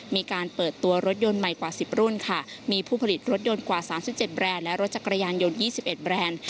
มีการเปิดตัวรถยนต์ใหม่กว่าสิบรุ่นค่ะมีผู้ผลิตรถยนต์กว่าสามสิบเจ็ดแบรนด์และรถจักรยานยนต์ยี่สิบเอ็ดแบรนด์